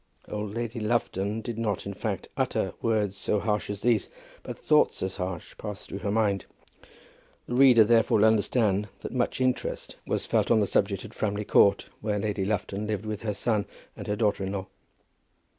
Old Lady Lufton did not in fact utter words so harsh as these; but thoughts as harsh passed through her mind. The reader therefore will understand that much interest was felt on the subject at Framley Court, where Lady Lufton lived with her son and her daughter in law.